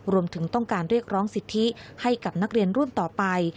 รวมถึงต้องการเรียกร้องสิทธิให้กับนักเรียนรุ่นต่อไป